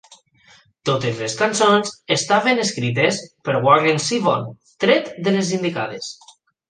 Totes les cançons estaven escrites per Warren Zevon tret de les indicades.